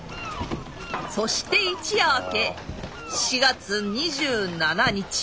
そして一夜明け４月２７日。